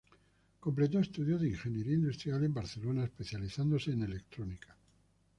Completó estudios de ingeniería industrial en Barcelona, especializándose en electrónica.